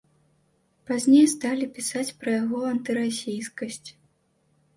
Пазней сталі пісаць пра яго антырасійскасць.